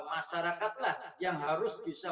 masyarakatlah yang harus bisa